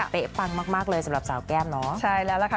เป๊ะปังมากเลยสำหรับสาวแก้มเนอะ